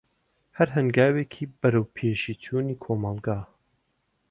هەر هەنگاوێکی بەروەپێشی چوونی کۆمەلگا.